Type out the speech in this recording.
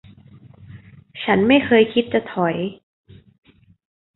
ฉันไม่เคยคิดจะถอย